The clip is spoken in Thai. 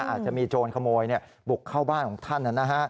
อาจจะมีโจรขโมยบุกเข้าบ้านของท่าน